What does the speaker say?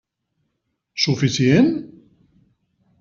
Suficient?